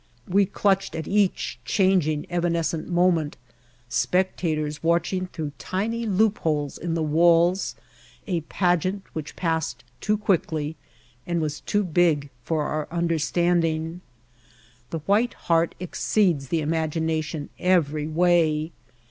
We clutched at each changing, evanescent moment, spectators watching through tiny loopholes in the walls a pageant which passed too quickly and was too big for our understanding. The White Heart exceeds the imagination every way.